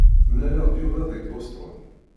Mlaleɣ-d Yuba deg Boston.